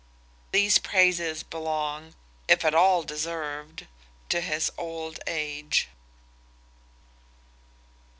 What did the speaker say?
These praises belong—if at all deserved—to his old age.